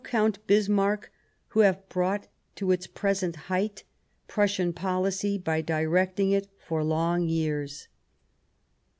Count Bismarck, who have brought to its present height Prussian policy by directing it for long years."